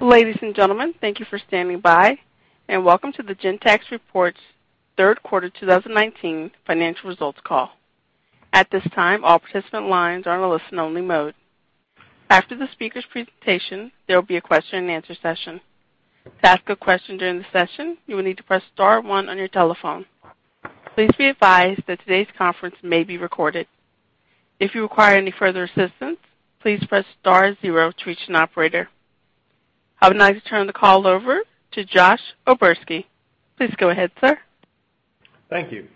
Ladies and gentlemen, thank you for standing by and welcome to the Gentex Reports Third Quarter 2019 Financial Results Call. At this time, all participant lines are on a listen-only mode. After the speaker's presentation, there will be a question and answer session. To ask a question during the session, you will need to press star one on your telephone. Please be advised that today's conference may be recorded. If you require any further assistance, please press star zero to reach an operator. I would now like to turn the call over to Josh O'Berski. Please go ahead, sir. Thank you.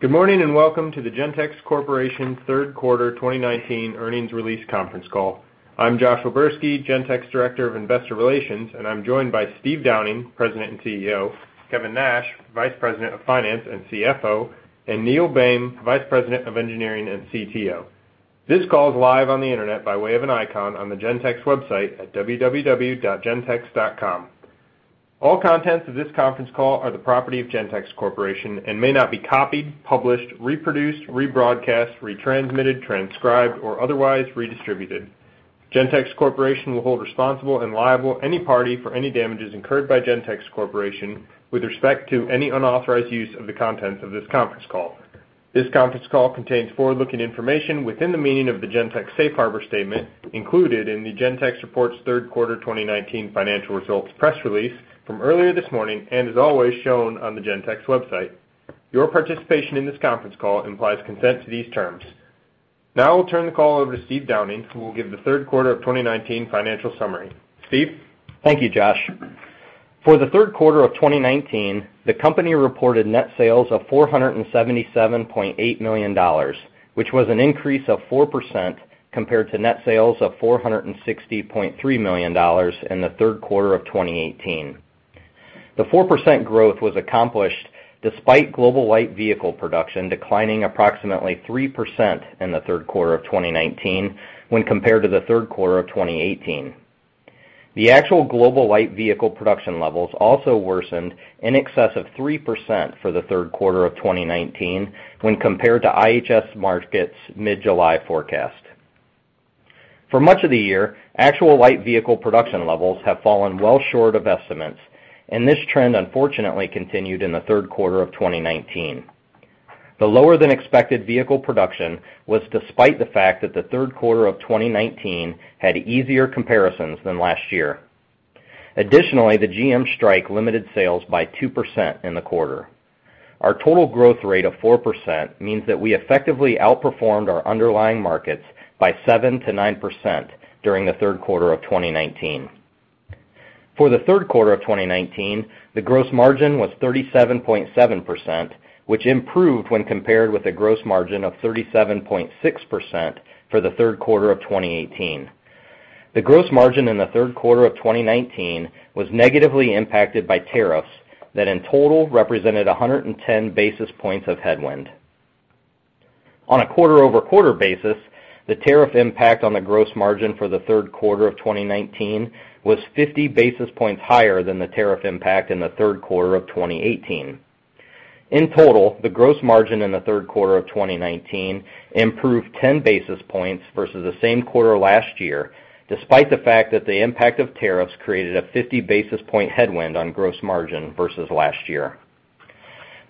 Good morning, welcome to the Gentex Corporation third quarter 2019 earnings release conference call. I'm Josh O'Berski, Gentex Director of Investor Relations. I'm joined by Steve Downing, President and CEO, Kevin Nash, Vice President of Finance and CFO, and Neil Boehm, Vice President of Engineering and CTO. This call is live on the internet by way of an icon on the Gentex website at www.gentex.com. All contents of this conference call are the property of Gentex Corporation and may not be copied, published, reproduced, rebroadcast, retransmitted, transcribed, or otherwise redistributed. Gentex Corporation will hold responsible and liable any party for any damages incurred by Gentex Corporation with respect to any unauthorized use of the contents of this conference call. This conference call contains forward-looking information within the meaning of the Gentex safe harbor statement included in the Gentex Reports Third Quarter 2019 Financial Results press release from earlier this morning and is always shown on the Gentex website. Your participation in this conference call implies consent to these terms. Now I'll turn the call over to Steve Downing, who will give the third quarter of 2019 financial summary. Steve. Thank you, Josh. For the third quarter of 2019, the company reported net sales of $477.8 million, which was an increase of 4% compared to net sales of $460.3 million in the third quarter of 2018. The 4% growth was accomplished despite global light vehicle production declining approximately 3% in the third quarter of 2019 when compared to the third quarter of 2018. The actual global light vehicle production levels also worsened in excess of 3% for the third quarter of 2019 when compared to IHS Markit's mid-July forecast. For much of the year, actual light vehicle production levels have fallen well short of estimates, and this trend unfortunately continued in the third quarter of 2019. The lower than expected vehicle production was despite the fact that the third quarter of 2019 had easier comparisons than last year. Additionally, the GM strike limited sales by 2% in the quarter. Our total growth rate of 4% means that we effectively outperformed our underlying markets by 7%-9% during the third quarter of 2019. For the third quarter of 2019, the gross margin was 37.7%, which improved when compared with a gross margin of 37.6% for the third quarter of 2018. The gross margin in the third quarter of 2019 was negatively impacted by tariffs that in total represented 110 basis points of headwind. On a quarter-over-quarter basis, the tariff impact on the gross margin for the third quarter of 2019 was 50 basis points higher than the tariff impact in the third quarter of 2018. In total, the gross margin in the third quarter of 2019 improved 10 basis points versus the same quarter last year, despite the fact that the impact of tariffs created a 50 basis point headwind on gross margin versus last year.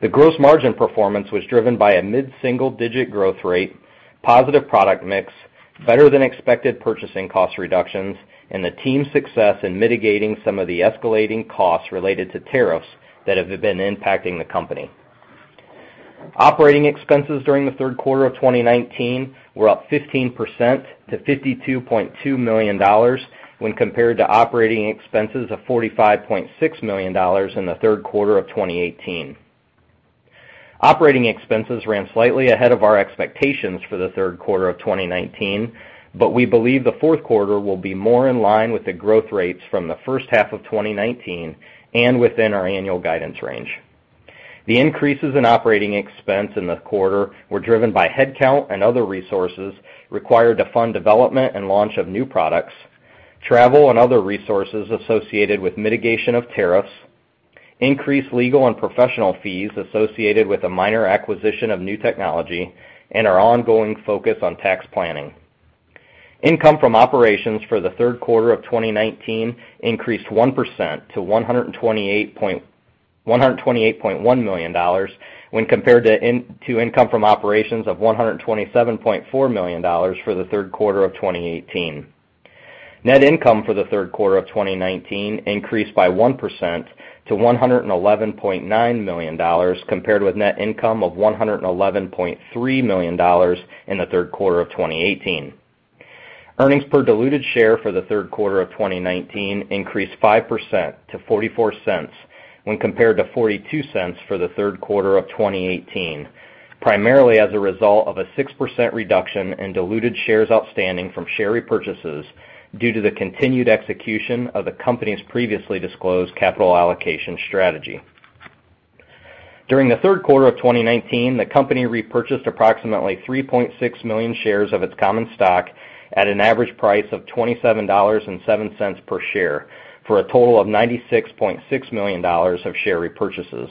The gross margin performance was driven by a mid-single-digit growth rate, positive product mix, better than expected purchasing cost reductions, and the team's success in mitigating some of the escalating costs related to tariffs that have been impacting the company. Operating expenses during the third quarter of 2019 were up 15% to $52.2 million when compared to operating expenses of $45.6 million in the third quarter of 2018. Operating expenses ran slightly ahead of our expectations for the third quarter of 2019, but we believe the fourth quarter will be more in line with the growth rates from the first half of 2019 and within our annual guidance range. The increases in operating expense in the quarter were driven by headcount and other resources required to fund development and launch of new products, travel and other resources associated with mitigation of tariffs, increased legal and professional fees associated with a minor acquisition of new technology, and our ongoing focus on tax planning. Income from operations for the third quarter of 2019 increased 1% to $128.1 million when compared to income from operations of $127.4 million for the third quarter of 2018. Net income for the third quarter of 2019 increased by 1% to $111.9 million, compared with net income of $111.3 million in the third quarter of 2018. Earnings per diluted share for the third quarter of 2019 increased 5% to $0.44 when compared to $0.42 for the third quarter of 2018, primarily as a result of a 6% reduction in diluted shares outstanding from share repurchases due to the continued execution of the company's previously disclosed capital allocation strategy. During the third quarter of 2019, the company repurchased approximately 3.6 million shares of its common stock at an average price of $27.7 per share, for a total of $96.6 million of share repurchases.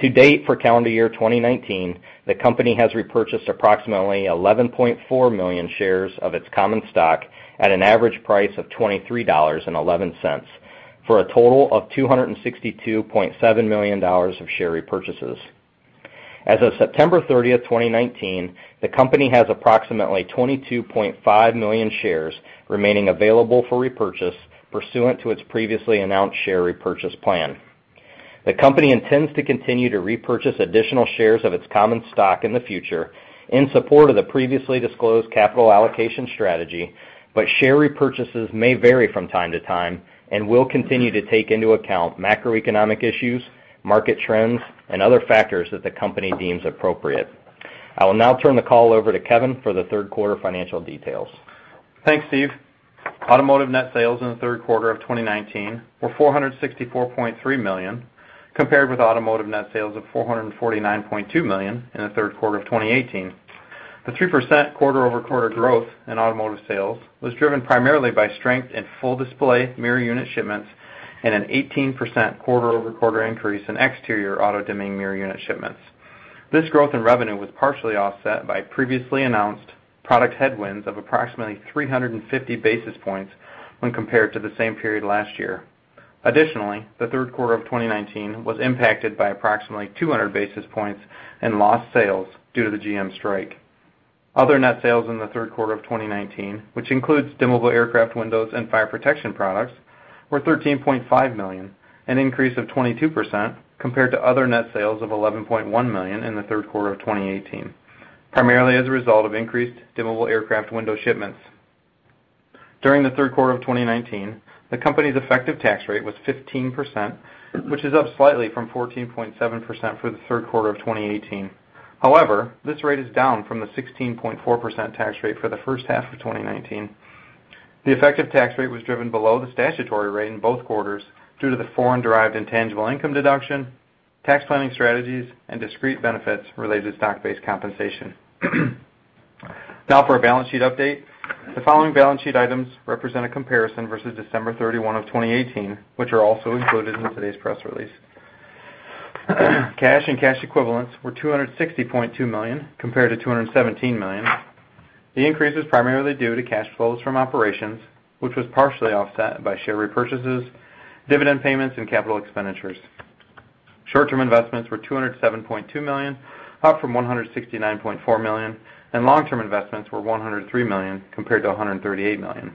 To date, for calendar year 2019, the company has repurchased approximately 11.4 million shares of its common stock at an average price of $23.11, for a total of $262.7 million of share repurchases. As of September 30th, 2019, the company has approximately 22.5 million shares remaining available for repurchase pursuant to its previously announced share repurchase plan. The company intends to continue to repurchase additional shares of its common stock in the future in support of the previously disclosed capital allocation strategy, but share repurchases may vary from time to time and will continue to take into account macroeconomic issues, market trends, and other factors that the company deems appropriate. I will now turn the call over to Kevin for the third quarter financial details. Thanks, Steve. Automotive net sales in the third quarter of 2019 were $464.3 million, compared with automotive net sales of $449.2 million in the third quarter of 2018. The 3% quarter-over-quarter growth in automotive sales was driven primarily by strength in Full Display Mirror unit shipments and an 18% quarter-over-quarter increase in exterior auto-dimming mirror unit shipments. This growth in revenue was partially offset by previously announced product headwinds of approximately 350 basis points when compared to the same period last year. Additionally, the third quarter of 2019 was impacted by approximately 200 basis points in lost sales due to the GM strike. Other net sales in the third quarter of 2019, which includes dimmable aircraft windows and fire protection products, were $13.5 million, an increase of 22%, compared to other net sales of $11.1 million in the third quarter of 2018, primarily as a result of increased dimmable aircraft window shipments. During the third quarter of 2019, the company's effective tax rate was 15%, which is up slightly from 14.7% for the third quarter of 2018. This rate is down from the 16.4% tax rate for the first half of 2019. The effective tax rate was driven below the statutory rate in both quarters due to the foreign-derived intangible income deduction, tax planning strategies, and discrete benefits related to stock-based compensation. For our balance sheet update. The following balance sheet items represent a comparison versus December 31, 2018, which are also included in today's press release. Cash and cash equivalents were $260.2 million, compared to $217 million. The increase was primarily due to cash flows from operations, which was partially offset by share repurchases, dividend payments, and capital expenditures. Short-term investments were $207.2 million, up from $169.4 million, and long-term investments were $103 million compared to $138 million.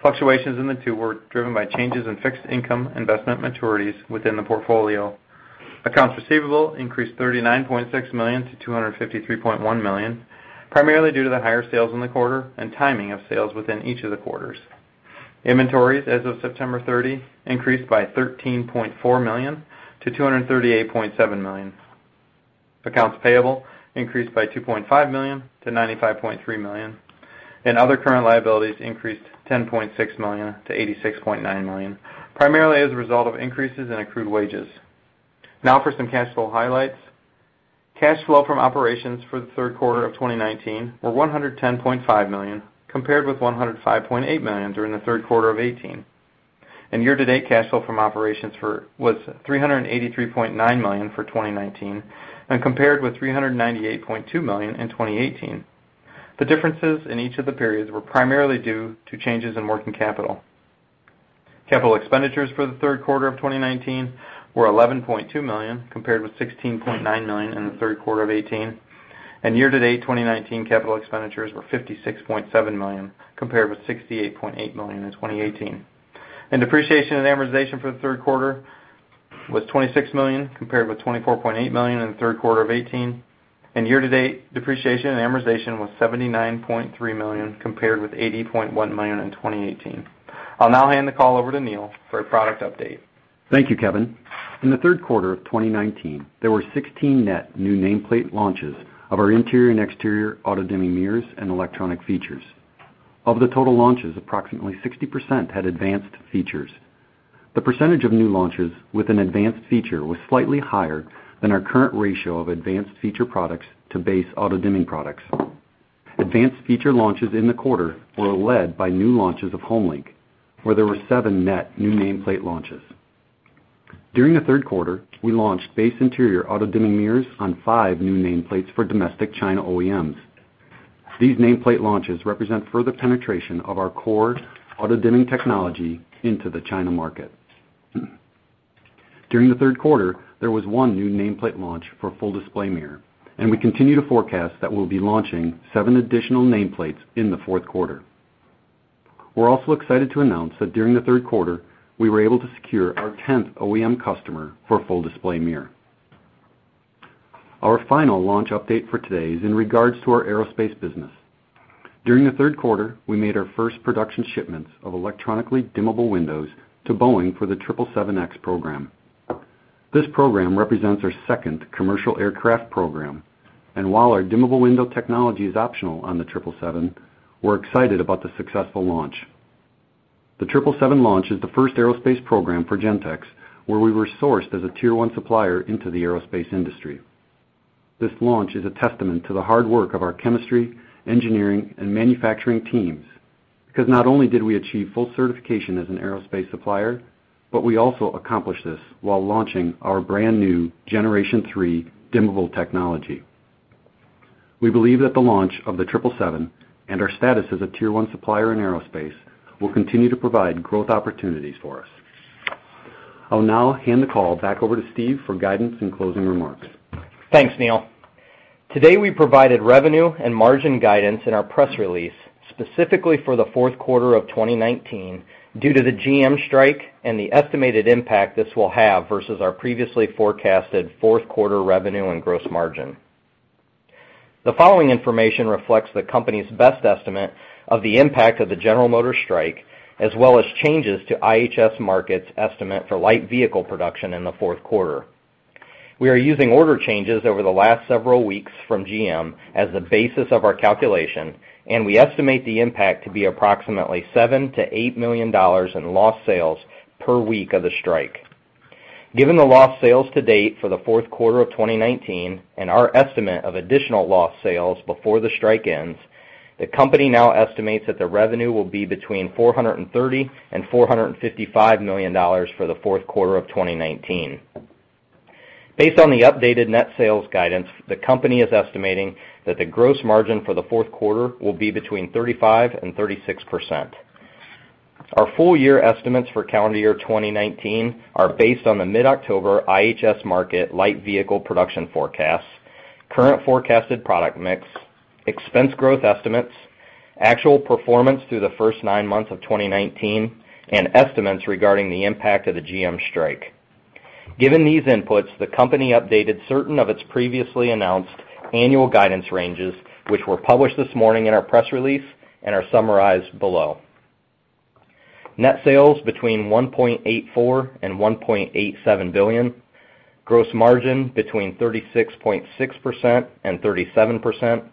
Fluctuations in the two were driven by changes in fixed income investment maturities within the portfolio. Accounts receivable increased $39.6 million to $253.1 million, primarily due to the higher sales in the quarter and timing of sales within each of the quarters. Inventories as of September 30 increased by $13.4 million to $238.7 million. Accounts payable increased by $2.5 million to $95.3 million, and other current liabilities increased $10.6 million to $86.9 million, primarily as a result of increases in accrued wages. For some cash flow highlights. Cash flow from operations for the third quarter of 2019 were $110.5 million, compared with $105.8 million during the third quarter of 2018. Year-to-date, cash flow from operations was $383.9 million for 2019, and compared with $398.2 million in 2018. The differences in each of the periods were primarily due to changes in working capital. Capital expenditures for the third quarter of 2019 were $11.2 million, compared with $16.9 million in the third quarter of 2018. Year-to-date 2019 capital expenditures were $56.7 million, compared with $68.8 million in 2018. Depreciation and amortization for the third quarter was $26 million, compared with $24.8 million in the third quarter of 2018. Year-to-date depreciation and amortization was $79.3 million, compared with $80.1 million in 2018. I'll now hand the call over to Neil for a product update. Thank you, Kevin. In the third quarter of 2019, there were 16 net new nameplate launches of our interior and exterior auto-dimming mirrors and electronic features. Of the total launches, approximately 60% had advanced features. The percentage of new launches with an advanced feature was slightly higher than our current ratio of advanced feature products to base auto-dimming products. Advanced feature launches in the quarter were led by new launches of HomeLink, where there were seven net new nameplate launches. During the third quarter, we launched base interior auto-dimming mirrors on five new nameplates for domestic China OEMs. These nameplate launches represent further penetration of our core auto-dimming technology into the China market. During the third quarter, there was one new nameplate launch for Full Display Mirror, and we continue to forecast that we'll be launching seven additional nameplates in the fourth quarter. We're also excited to announce that during the third quarter, we were able to secure our 10th OEM customer for Full Display Mirror. Our final launch update for today is in regards to our aerospace business. During the third quarter, we made our first production shipments of electronically dimmable windows to Boeing for the 777X program. While our dimmable window technology is optional on the 777, we're excited about the successful launch. The 777 launch is the first aerospace program for Gentex where we were sourced as a Tier 1 supplier into the aerospace industry. This launch is a testament to the hard work of our chemistry, engineering, and manufacturing teams, because not only did we achieve full certification as an aerospace supplier, but we also accomplished this while launching our brand-new Generation 3 dimmable technology. We believe that the launch of the 777 and our status as a Tier 1 supplier in aerospace will continue to provide growth opportunities for us. I'll now hand the call back over to Steve for guidance and closing remarks. Thanks, Neil. Today, we provided revenue and margin guidance in our press release, specifically for the fourth quarter of 2019 due to the GM strike and the estimated impact this will have versus our previously forecasted fourth quarter revenue and gross margin. The following information reflects the company's best estimate of the impact of the General Motors strike, as well as changes to IHS Markit's estimate for light vehicle production in the fourth quarter. We are using order changes over the last several weeks from GM as the basis of our calculation, and we estimate the impact to be approximately $7 million-$8 million in lost sales per week of the strike. Given the lost sales to date for the fourth quarter of 2019 and our estimate of additional lost sales before the strike ends, the company now estimates that the revenue will be between $430 and $455 million for the fourth quarter of 2019. Based on the updated net sales guidance, the company is estimating that the gross margin for the fourth quarter will be between 35% and 36%. Our full year estimates for calendar year 2019 are based on the mid-October IHS Markit light vehicle production forecasts, current forecasted product mix, expense growth estimates, actual performance through the first nine months of 2019, and estimates regarding the impact of the GM strike. Given these inputs, the company updated certain of its previously announced annual guidance ranges, which were published this morning in our press release and are summarized below. Net sales between $1.84 billion and $1.87 billion, gross margin between 36.6% and 37%,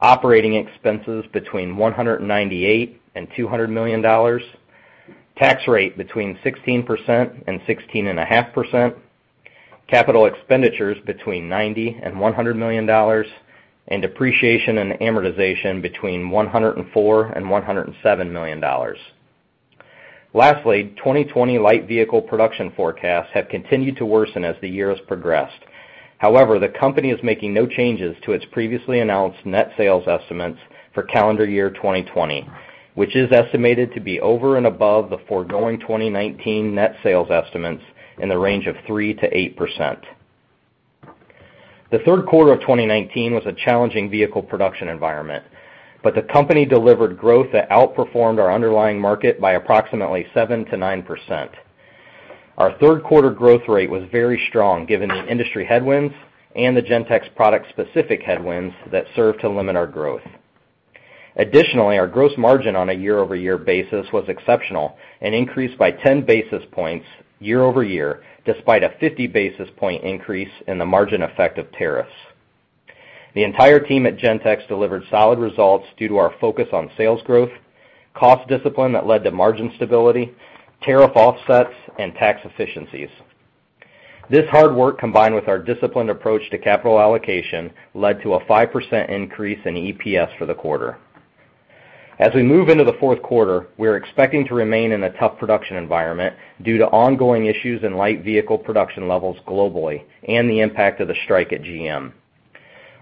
operating expenses between $198 million and $200 million, tax rate between 16% and 16.5%, capital expenditures between $90 million and $100 million, and depreciation and amortization between $104 million and $107 million. 2020 light vehicle production forecasts have continued to worsen as the year has progressed. The company is making no changes to its previously announced net sales estimates for calendar year 2020, which is estimated to be over and above the foregoing 2019 net sales estimates in the range of 3% to 8%. The third quarter of 2019 was a challenging vehicle production environment, the company delivered growth that outperformed our underlying market by approximately 7% to 9%. Our third quarter growth rate was very strong given the industry headwinds and the Gentex product specific headwinds that served to limit our growth. Our gross margin on a year-over-year basis was exceptional and increased by 10 basis points year-over-year, despite a 50 basis point increase in the margin effect of tariffs. The entire team at Gentex delivered solid results due to our focus on sales growth, cost discipline that led to margin stability, tariff offsets, and tax efficiencies. This hard work, combined with our disciplined approach to capital allocation, led to a 5% increase in EPS for the quarter. As we move into the fourth quarter, we are expecting to remain in a tough production environment due to ongoing issues in light vehicle production levels globally and the impact of the strike at GM.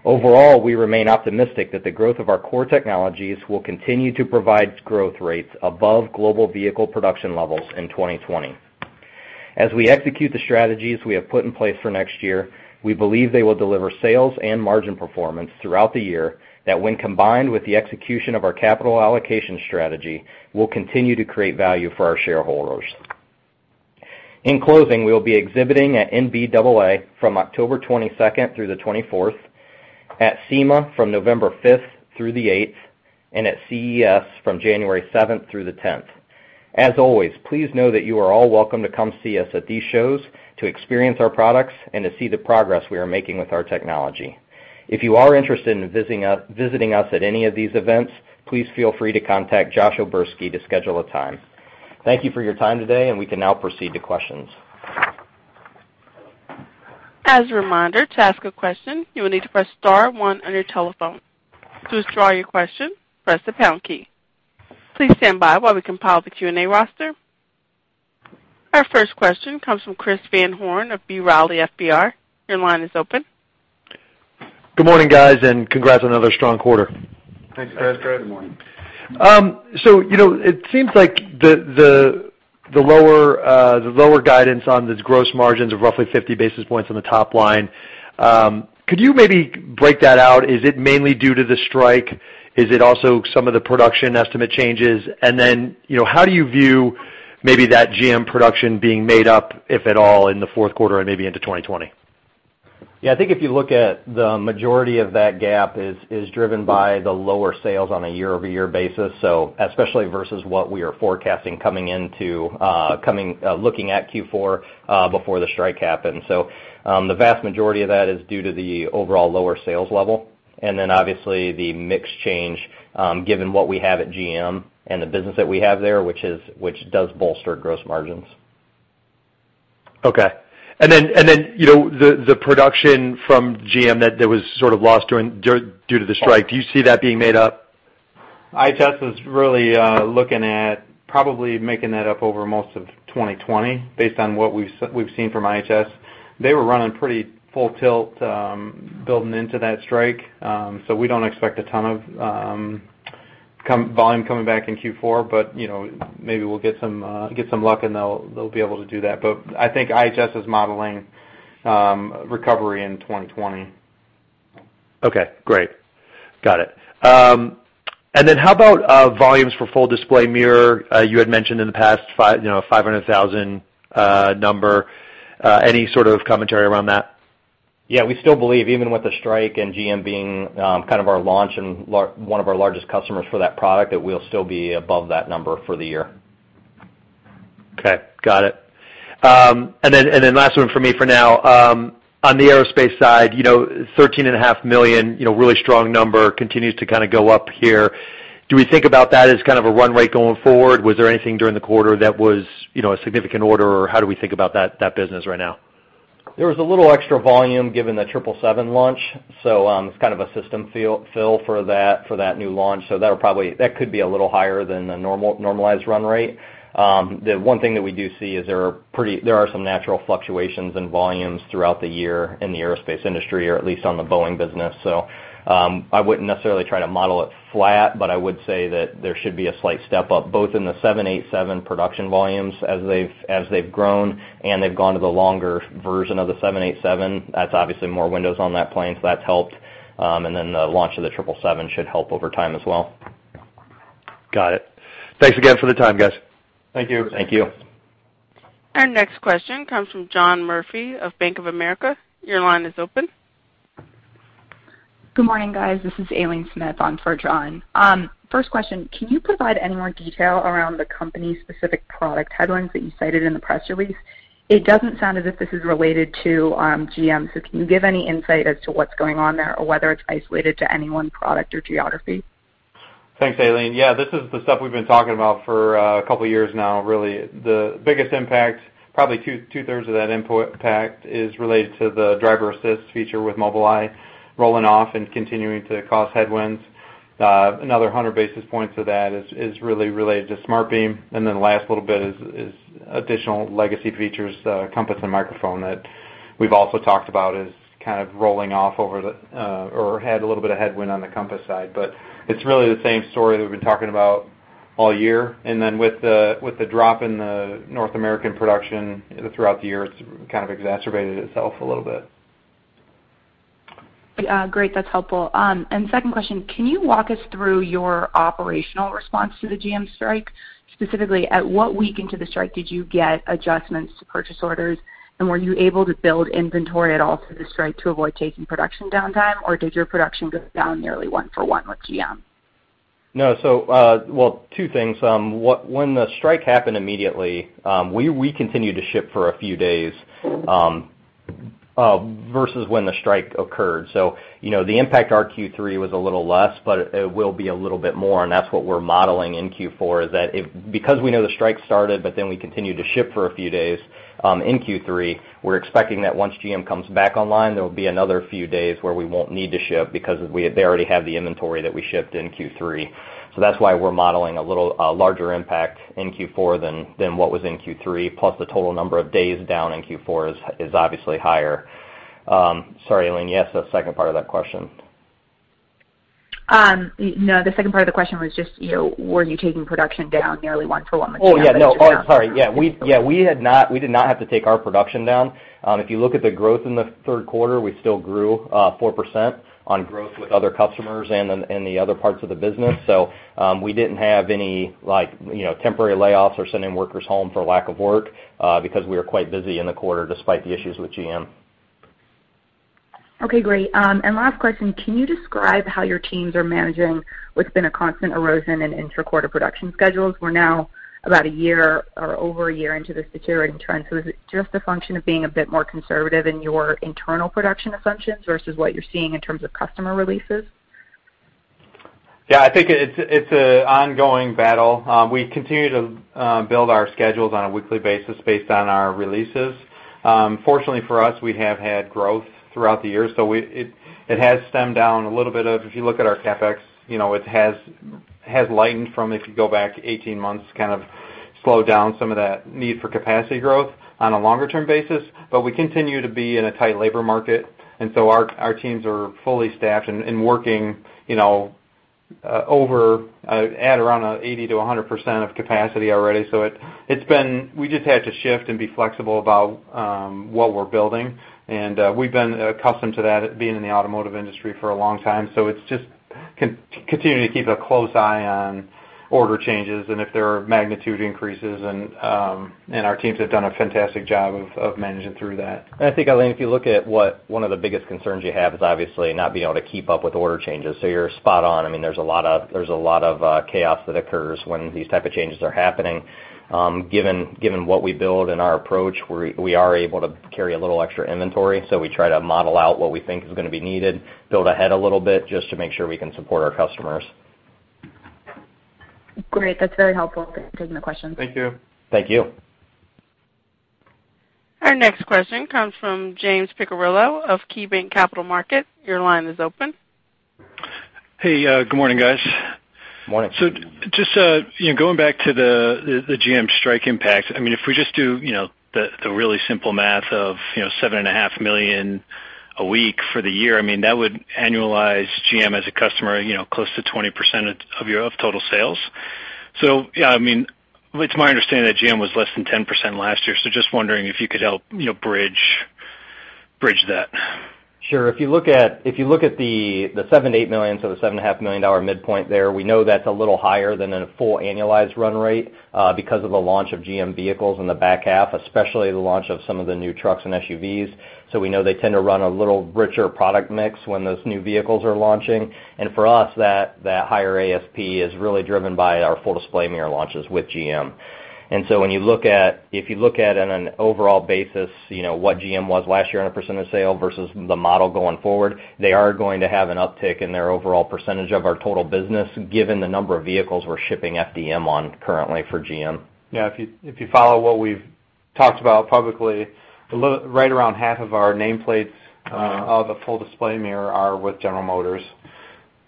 Overall, we remain optimistic that the growth of our core technologies will continue to provide growth rates above global vehicle production levels in 2020. As we execute the strategies we have put in place for next year, we believe they will deliver sales and margin performance throughout the year that when combined with the execution of our capital allocation strategy, will continue to create value for our shareholders. In closing, we will be exhibiting at NBAA from October 22nd through the 24th, at SEMA from November fifth through the eighth, and at CES from January seventh through the 10th. As always, please know that you are all welcome to come see us at these shows to experience our products and to see the progress we are making with our technology. If you are interested in visiting us at any of these events, please feel free to contact Josh O'Berski to schedule a time. Thank you for your time today, and we can now proceed to questions. As a reminder, to ask a question, you will need to press star 1 on your telephone. To withdraw your question, press the # key. Please stand by while we compile the Q&A roster. Our first question comes from Christopher Van Horn of B. Riley FBR. Your line is open. Good morning, guys, and congrats on another strong quarter. Thanks, Chris. Good morning. It seems like the lower guidance on this gross margins of roughly 50 basis points on the top line, could you maybe break that out? Is it mainly due to the strike? Is it also some of the production estimate changes? How do you view maybe that GM production being made up, if at all, in the fourth quarter and maybe into 2020? I think if you look at the majority of that gap is driven by the lower sales on a year-over-year basis, especially versus what we are forecasting looking at Q4 before the strike happened. The vast majority of that is due to the overall lower sales level and then obviously the mix change, given what we have at GM and the business that we have there, which does bolster gross margins. Okay. The production from GM that was sort of lost due to the strike, do you see that being made up? IHS is really looking at probably making that up over most of 2020, based on what we've seen from IHS. They were running pretty full tilt, building into that strike. We don't expect a ton of volume coming back in Q4, but maybe we'll get some luck and they'll be able to do that. I think IHS is modeling recovery in 2020. Okay, great. Got it. How about volumes for Full Display Mirror? You had mentioned in the past 500,000 number. Any sort of commentary around that? Yeah, we still believe even with the strike and GM being kind of our launch and one of our largest customers for that product, that we'll still be above that number for the year. Okay. Got it. Last one from me for now. On the aerospace side, $13.5 million, really strong number, continues to kind of go up here. Do we think about that as kind of a run rate going forward? Was there anything during the quarter that was a significant order, or how do we think about that business right now? There was a little extra volume given the 777 launch, so it's kind of a system fill for that new launch. That could be a little higher than the normalized run rate. The one thing that we do see is there are some natural fluctuations in volumes throughout the year in the aerospace industry, or at least on the Boeing business. I wouldn't necessarily try to model it flat, but I would say that there should be a slight step up both in the 787 production volumes as they've grown and they've gone to the longer version of the 787. That's obviously more windows on that plane, so that's helped. The launch of the 777 should help over time as well. Got it. Thanks again for the time, guys. Thank you. Thank you. Our next question comes from John Murphy of Bank of America. Your line is open. Good morning, guys. This is Aileen Smith on for John. First question, can you provide any more detail around the company's specific product headwinds that you cited in the press release? It doesn't sound as if this is related to GM. Can you give any insight as to what's going on there or whether it's isolated to any one product or geography? Thanks, Aileen. Yeah, this is the stuff we've been talking about for a couple of years now, really. The biggest impact, probably two-thirds of that impact, is related to the driver assist feature with Mobileye rolling off and continuing to cause headwinds. Another 100 basis points of that is really related to SmartBeam. The last little bit is additional legacy features, compass and microphone, that we've also talked about as kind of rolling off, or had a little bit of headwind on the compass side. It's really the same story that we've been talking about all year. With the drop in the North American production throughout the year, it's kind of exacerbated itself a little bit. Yeah, great. That's helpful. Second question, can you walk us through your operational response to the GM strike? Specifically, at what week into the strike did you get adjustments to purchase orders? Were you able to build inventory at all through the strike to avoid taking production downtime, or did your production go down nearly one for one with GM? No. Well, two things. When the strike happened immediately, we continued to ship for a few days, versus when the strike occurred. The impact to our Q3 was a little less, but it will be a little bit more, and that's what we're modeling in Q4, is that because we know the strike started, but then we continued to ship for a few days in Q3, we're expecting that once GM comes back online, there will be another few days where we won't need to ship because they already have the inventory that we shipped in Q3. That's why we're modeling a larger impact in Q4 than what was in Q3, plus the total number of days down in Q4 is obviously higher. Sorry, Aileen, you asked a second part of that question. No, the second part of the question was just, were you taking production down nearly one for one with GM as it shut down? Oh, yeah. No. Oh, sorry. We did not have to take our production down. If you look at the growth in the third quarter, we still grew 4% on growth with other customers and the other parts of the business. We didn't have any temporary layoffs or sending workers home for lack of work, because we were quite busy in the quarter despite the issues with GM. Okay, great. Last question, can you describe how your teams are managing what's been a constant erosion in intra-quarter production schedules? We're now about a year or over a year into this deteriorating trend. Is it just a function of being a bit more conservative in your internal production assumptions versus what you're seeing in terms of customer releases? Yeah, I think it's an ongoing battle. We continue to build our schedules on a weekly basis based on our releases. Fortunately for us, we have had growth throughout the year, so it has stemmed down a little bit of, if you look at our CapEx, it has lightened from if you go back 18 months, kind of slowed down some of that need for capacity growth on a longer-term basis. We continue to be in a tight labor market, and so our teams are fully staffed and working at around 80% to 100% of capacity already. We just had to shift and be flexible about what we're building, and we've been accustomed to that, being in the automotive industry for a long time. It's just continuing to keep a close eye on order changes and if there are magnitude increases, and our teams have done a fantastic job of managing through that. I think, Aileen, if you look at what one of the biggest concerns you have is obviously not being able to keep up with order changes. You're spot on. There's a lot of chaos that occurs when these type of changes are happening. Given what we build and our approach, we are able to carry a little extra inventory, so we try to model out what we think is going to be needed, build ahead a little bit just to make sure we can support our customers. Great. That's very helpful. Thanks for taking the question. Thank you. Thank you. Our next question comes from James Picariello of KeyBanc Capital Markets. Your line is open. Hey, good morning, guys. Morning. Just going back to the GM strike impact, if we just do the really simple math of seven and a half million a week for the year, that would annualize GM as a customer close to 20% of total sales. It's my understanding that GM was less than 10% last year, so just wondering if you could help bridge that. Sure. If you look at the seven, eight million, so the $7.5 million midpoint there, we know that's a little higher than a full annualized run rate because of the launch of GM vehicles in the back half, especially the launch of some of the new trucks and SUVs. We know they tend to run a little richer product mix when those new vehicles are launching. For us, that higher ASP is really driven by our Full Display Mirror launches with GM. If you look at it on an overall basis, what GM was last year on a percentage of sale versus the model going forward, they are going to have an uptick in their overall percentage of our total business, given the number of vehicles we're shipping FDM on currently for GM. Yeah. If you follow what we've talked about publicly, right around half of our nameplates of the Full Display Mirror are with General Motors.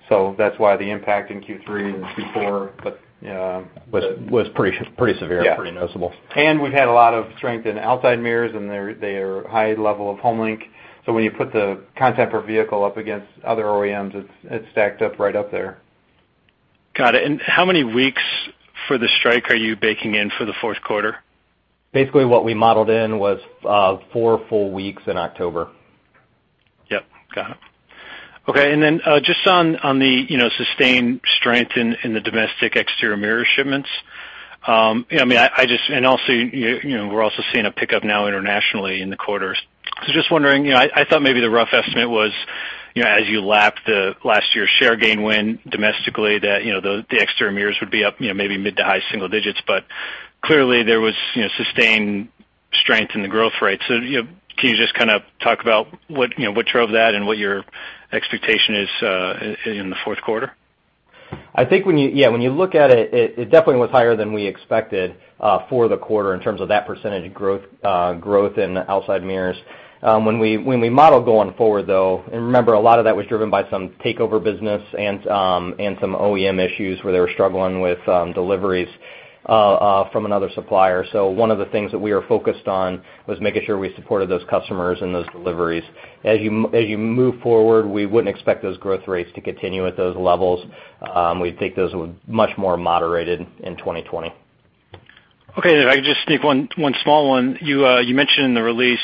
That's why the impact in Q3 and Q4. Was pretty severe. Yeah. Pretty noticeable. We've had a lot of strength in outside mirrors and their high level of HomeLink. When you put the content per vehicle up against other OEMs, it's stacked up right up there. Got it. How many weeks for the strike are you baking in for the fourth quarter? Basically, what we modeled in was four full weeks in October. Yep. Got it. Okay, just on the sustained strength in the domestic exterior mirror shipments, and we're also seeing a pickup now internationally in the quarters. Just wondering, I thought maybe the rough estimate was as you lap the last year's share gain win domestically that the exterior mirrors would be up maybe mid to high single digits, but clearly there was sustained strength in the growth rate. Can you just talk about what drove that and what your expectation is in the fourth quarter? I think when you look at it definitely was higher than we expected for the quarter in terms of that % growth in outside mirrors. When we model going forward, though, and remember, a lot of that was driven by some takeover business and some OEM issues where they were struggling with deliveries from another supplier. One of the things that we are focused on was making sure we supported those customers and those deliveries. As you move forward, we wouldn't expect those growth rates to continue at those levels. We think those will be much more moderated in 2020. Okay, if I could just sneak one small one. You mentioned in the release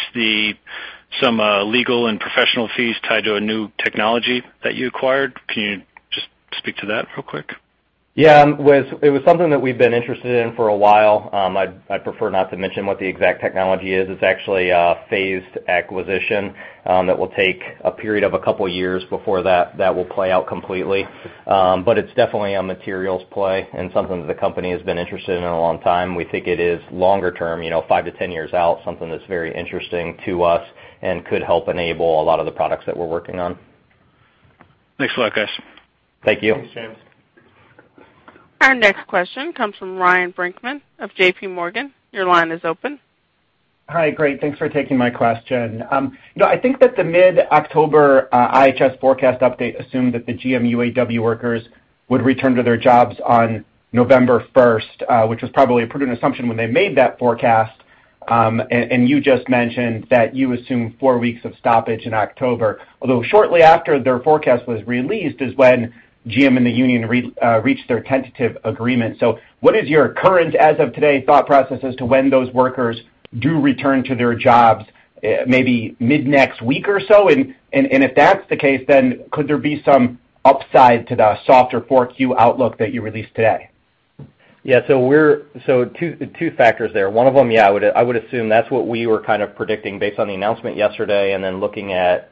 some legal and professional fees tied to a new technology that you acquired. Can you just speak to that real quick? Yeah. It was something that we've been interested in for a while. I'd prefer not to mention what the exact technology is. It's actually a phased acquisition that will take a period of a couple of years before that will play out completely. It's definitely a materials play and something that the company has been interested in a long time. We think it is longer term, 5 to 10 years out, something that's very interesting to us and could help enable a lot of the products that we're working on. Thanks a lot, guys. Thank you. Thanks, James. Our next question comes from Ryan Brinkman of J.P. Morgan. Your line is open. Hi. Great. Thanks for taking my question. I think that the mid-October IHS forecast update assumed that the GM UAW workers would return to their jobs on November 1st, which was probably a prudent assumption when they made that forecast, and you just mentioned that you assume four weeks of stoppage in October. Shortly after their forecast was released is when GM and the union reached their tentative agreement. What is your current, as of today, thought process as to when those workers do return to their jobs, maybe mid next week or so? If that's the case, then could there be some upside to the softer 4Q outlook that you released today? Yeah. Two factors there. One of them, yeah, I would assume that's what we were kind of predicting based on the announcement yesterday. Looking at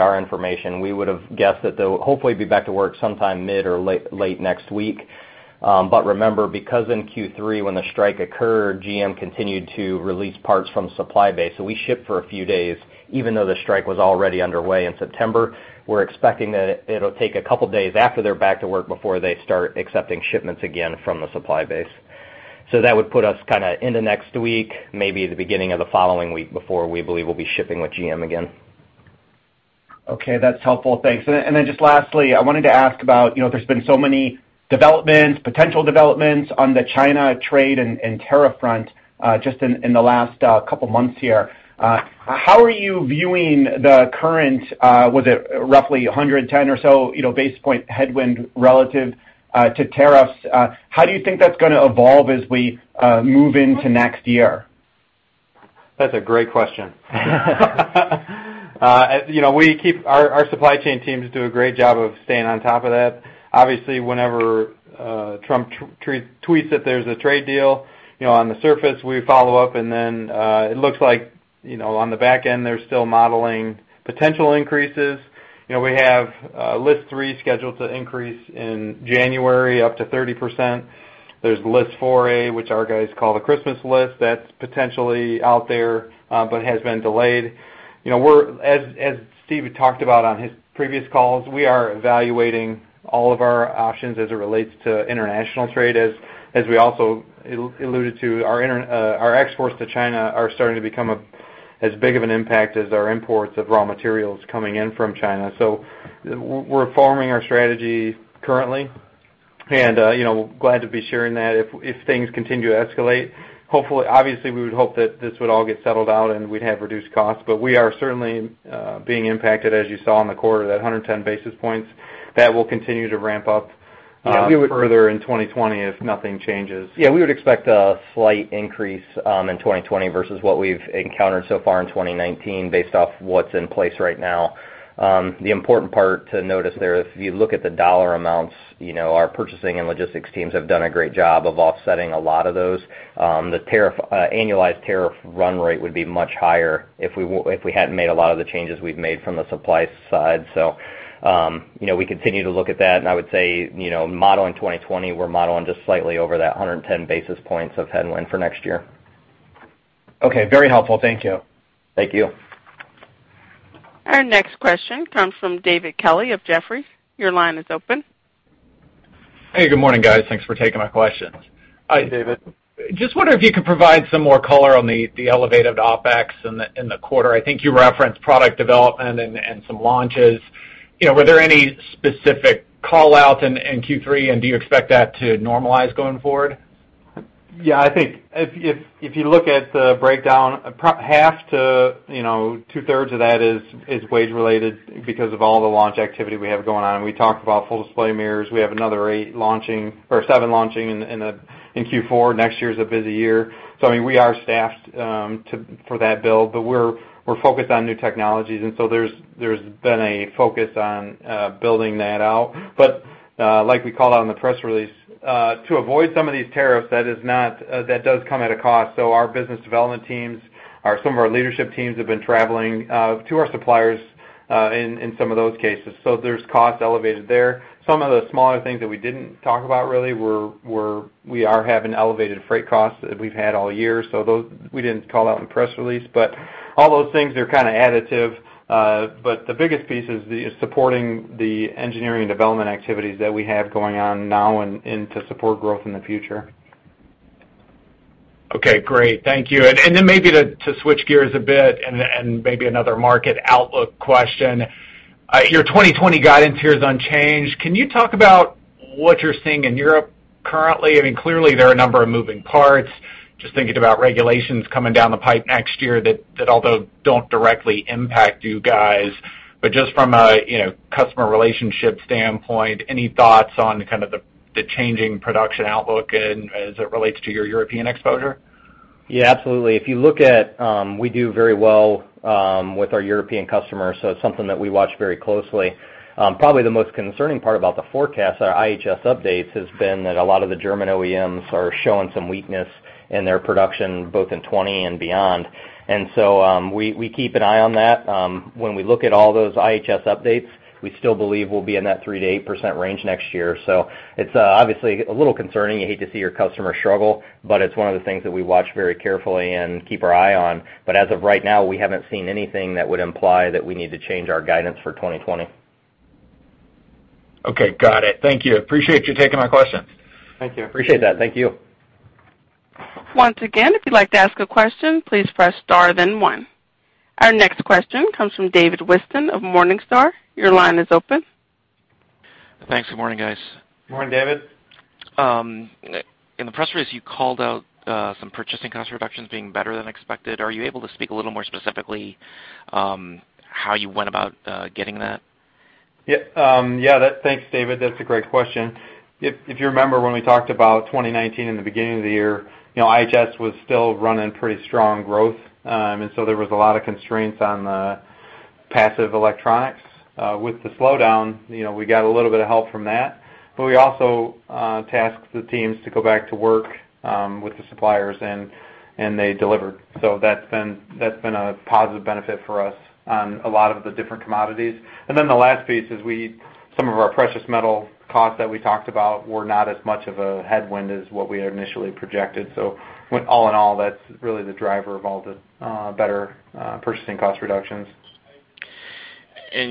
our information, we would've guessed that they'll hopefully be back to work sometime mid or late next week. Remember, because in Q3 when the strike occurred, GM continued to release parts from supply base. We shipped for a few days, even though the strike was already underway in September. We're expecting that it'll take a couple of days after they're back to work before they start accepting shipments again from the supply base. That would put us kind of into next week, maybe the beginning of the following week before we believe we'll be shipping with GM again. Okay, that's helpful. Thanks. Just lastly, I wanted to ask about, there's been so many developments, potential developments on the China trade and tariff front just in the last couple of months here. How are you viewing the current, was it roughly 110 or so basis point headwind relative to tariffs? How do you think that's going to evolve as we move into next year? That's a great question. Our supply chain teams do a great job of staying on top of that. Obviously, whenever Trump tweets that there's a trade deal, on the surface we follow up and then it looks like on the back end, they're still modeling potential increases. We have List 3 scheduled to increase in January up to 30%. There's List 4A, which our guys call the Christmas list, that's potentially out there, but has been delayed. As Steve talked about on his previous calls, we are evaluating all of our options as it relates to international trade. As we also alluded to, our exports to China are starting to become as big of an impact as our imports of raw materials coming in from China. We're forming our strategy currently, and glad to be sharing that if things continue to escalate. Obviously, we would hope that this would all get settled out and we'd have reduced costs, but we are certainly being impacted, as you saw in the quarter, that 110 basis points, that will continue to ramp up further in 2020 if nothing changes. Yeah, we would expect a slight increase in 2020 versus what we've encountered so far in 2019 based off what's in place right now. The important part to notice there, if you look at the dollar amounts, our purchasing and logistics teams have done a great job of offsetting a lot of those. The annualized tariff run rate would be much higher if we hadn't made a lot of the changes we've made from the supply side. We continue to look at that, and I would say, modeling 2020, we're modeling just slightly over that 110 basis points of headwind for next year. Okay, very helpful. Thank you. Thank you. Our next question comes from David Kelley of Jefferies. Your line is open. Hey, good morning, guys. Thanks for taking my questions. Hi, David. just wonder if you could provide some more color on the elevated OpEx in the quarter. I think you referenced product development and some launches. Were there any specific call-outs in Q3, and do you expect that to normalize going forward? Yeah, I think if you look at the breakdown, half to two-thirds of that is wage related because of all the launch activity we have going on. We talked about Full Display Mirrors. We have another seven launching in Q4. Next year's a busy year. We are staffed for that build, but we're focused on new technologies, and so there's been a focus on building that out. Like we called out in the press release, to avoid some of these tariffs, that does come at a cost. Our business development teams, some of our leadership teams have been traveling to our suppliers in some of those cases. There's cost elevated there. Some of the smaller things that we didn't talk about really were we are having elevated freight costs that we've had all year. Those we didn't call out in the press release, but all those things, they're kind of additive. The biggest piece is supporting the engineering and development activities that we have going on now, and to support growth in the future. Okay, great. Thank you. Maybe to switch gears a bit and maybe another market outlook question. Your 2020 guidance here is unchanged. Can you talk about what you're seeing in Europe currently? Clearly, there are a number of moving parts. Just thinking about regulations coming down the pipe next year that although don't directly impact you guys, but just from a customer relationship standpoint, any thoughts on kind of the changing production outlook as it relates to your European exposure? Yeah, absolutely. If you look, we do very well with our European customers, it's something that we watch very closely. Probably the most concerning part about the forecast, our IHS updates, has been that a lot of the German OEMs are showing some weakness in their production, both in 2020 and beyond. We keep an eye on that. When we look at all those IHS updates, we still believe we'll be in that 3%-8% range next year. It's obviously a little concerning. You hate to see your customer struggle, it's one of the things that we watch very carefully and keep our eye on. As of right now, we haven't seen anything that would imply that we need to change our guidance for 2020. Okay, got it. Thank you. Appreciate you taking my questions. Thank you. Appreciate that. Thank you. Once again, if you'd like to ask a question, please press star then one. Our next question comes from David Whiston of Morningstar. Your line is open. Thanks. Good morning, guys. Good morning, David. In the press release, you called out some purchasing cost reductions being better than expected. Are you able to speak a little more specifically how you went about getting that? Yeah. Thanks, David. That's a great question. If you remember when we talked about 2019 in the beginning of the year, IHS was still running pretty strong growth. There was a lot of constraints on the passive electronics. With the slowdown, we got a little bit of help from that, but we also tasked the teams to go back to work with the suppliers, and they delivered. That's been a positive benefit for us on a lot of the different commodities. The last piece is some of our precious metal costs that we talked about were not as much of a headwind as what we had initially projected. All in all, that's really the driver of all the better purchasing cost reductions.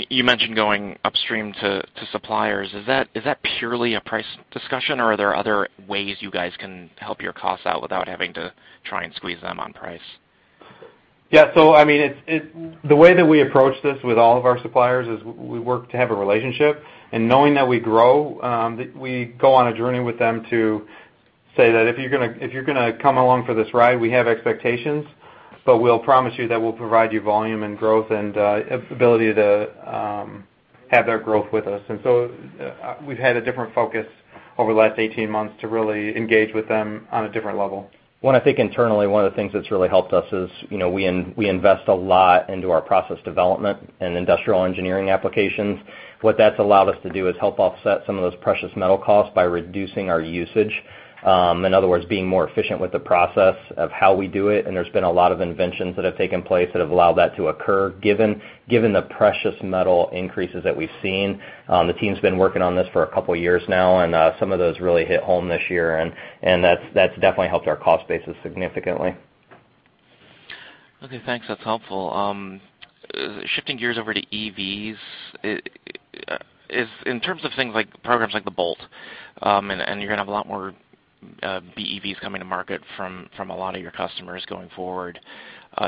You mentioned going upstream to suppliers. Is that purely a price discussion, or are there other ways you guys can help your costs out without having to try and squeeze them on price? Yeah. The way that we approach this with all of our suppliers is we work to have a relationship. Knowing that we grow, we go on a journey with them to say that if you're going to come along for this ride, we have expectations, but we'll promise you that we'll provide you volume and growth and ability to have that growth with us. We've had a different focus over the last 18 months to really engage with them on a different level. I think internally, one of the things that's really helped us is we invest a lot into our process development and industrial engineering applications. What that's allowed us to do is help offset some of those precious metal costs by reducing our usage. In other words, being more efficient with the process of how we do it, and there's been a lot of inventions that have taken place that have allowed that to occur, given the precious metal increases that we've seen. The team's been working on this for a couple of years now, and some of those really hit home this year, and that's definitely helped our cost basis significantly. Okay, thanks. That's helpful. Shifting gears over to EVs, in terms of programs like the Bolt, you're going to have a lot more BEVs coming to market from a lot of your customers going forward,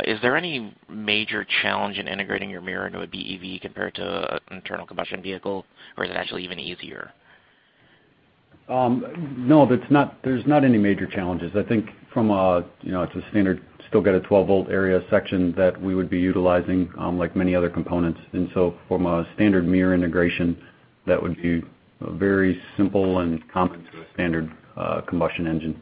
is there any major challenge in integrating your mirror into a BEV compared to an internal combustion vehicle, or is it actually even easier? There's not any major challenges. I think it's a standard, still got a 12-volt area section that we would be utilizing, like many other components. From a standard mirror integration, that would be very simple and common to a standard combustion engine.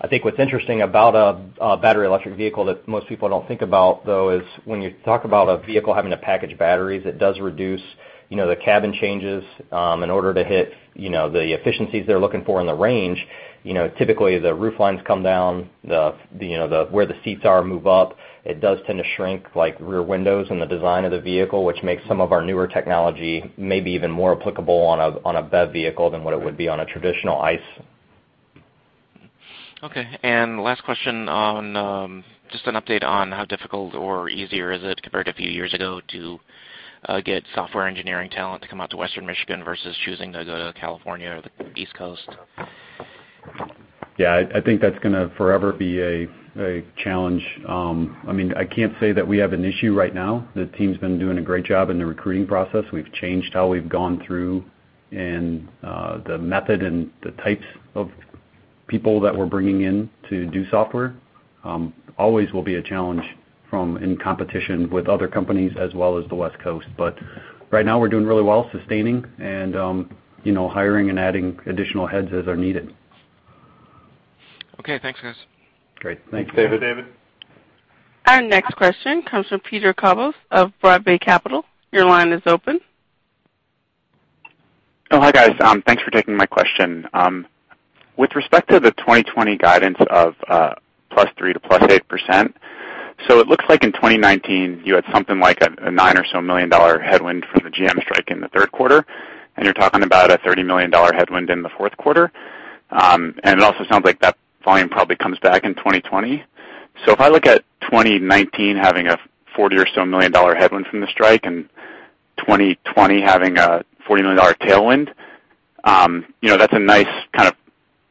I think what's interesting about a battery electric vehicle that most people don't think about, though, is when you talk about a vehicle having to package batteries, it does reduce the cabin changes in order to hit the efficiencies they're looking for in the range. Typically, the roof lines come down, where the seats are move up. It does tend to shrink rear windows and the design of the vehicle, which makes some of our newer technology maybe even more applicable on a BEV vehicle than what it would be on a traditional ICE. Okay. Last question, just an update on how difficult or easier is it compared to a few years ago to get software engineering talent to come out to Western Michigan versus choosing to go to California or the East Coast? Yeah, I think that's going to forever be a challenge. I can't say that we have an issue right now. The team's been doing a great job in the recruiting process. We've changed how we've gone through and the method and the types of people that we're bringing in to do software. Always will be a challenge from in competition with other companies as well as the West Coast. Right now we're doing really well sustaining and hiring and adding additional heads as are needed. Okay, thanks, guys. Great. Thank you. Thanks, David. Our next question comes from Peter Cobos of Broad Bay Capital. Your line is open. Hi, guys. Thanks for taking my question. With respect to the 2020 guidance of +3% to +8%, it looks like in 2019 you had something like a $9 million headwind from the GM strike in the third quarter, and you're talking about a $30 million headwind in the fourth quarter. It also sounds like that volume probably comes back in 2020. If I look at 2019 having a $40 million headwind from the strike and 2020 having a $40 million tailwind, that's a nice kind of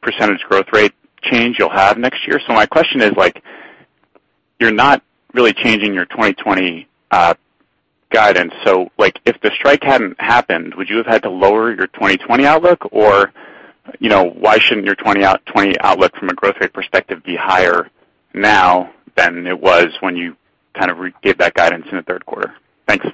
percentage growth rate change you'll have next year. My question is, you're not really changing your 2020 guidance. If the strike hadn't happened, would you have had to lower your 2020 outlook? Why shouldn't your 2020 outlook from a growth rate perspective be higher now than it was when you gave that guidance in the third quarter? Thanks.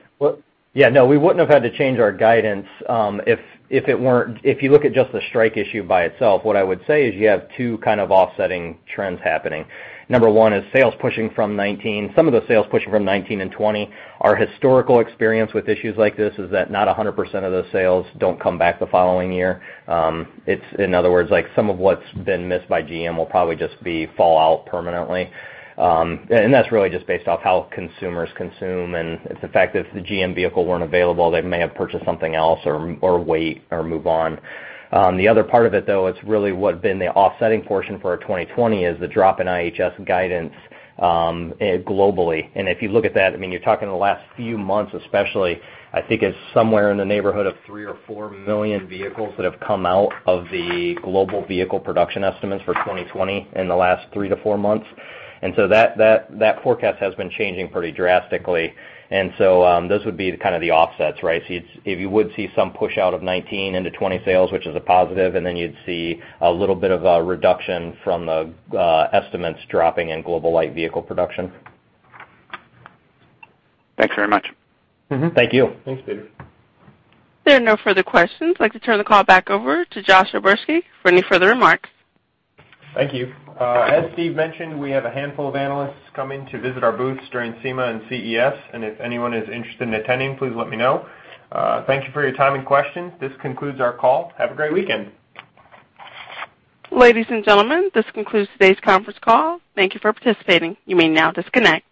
Yeah, no, we wouldn't have had to change our guidance if you look at just the strike issue by itself. What I would say is you have two offsetting trends happening. Number one is some of the sales pushing from 2019 and 2020. Our historical experience with issues like this is that not 100% of those sales don't come back the following year. In other words, some of what's been missed by GM will probably just fall out permanently. That's really just based off how consumers consume, and it's the fact that if the GM vehicle weren't available, they may have purchased something else or wait or move on. The other part of it, though, it's really what's been the offsetting portion for our 2020 is the drop in IHS guidance globally. If you look at that, you're talking the last few months especially, I think it's somewhere in the neighborhood of three or four million vehicles that have come out of the global vehicle production estimates for 2020 in the last three to four months. That forecast has been changing pretty drastically. Those would be kind of the offsets, right? You would see some push out of 2019 into 2020 sales, which is a positive, then you'd see a little bit of a reduction from the estimates dropping in global light vehicle production. Thanks very much. Thank you. Thanks, Peter. There are no further questions. I'd like to turn the call back over to Josh O'Berski for any further remarks. Thank you. As Steve mentioned, we have a handful of analysts coming to visit our booths during SEMA and CES, and if anyone is interested in attending, please let me know. Thank you for your time and questions. This concludes our call. Have a great weekend. Ladies and gentlemen, this concludes today's conference call. Thank you for participating. You may now disconnect.